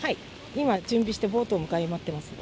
今、準備して、ボートの迎え待っています。